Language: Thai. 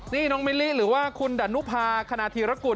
นี่น้องมิลลิหรือว่าคุณดานุภาคณฑีรกุล